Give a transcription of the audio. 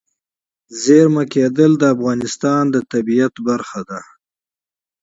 رسوب د افغانستان د طبیعت برخه ده.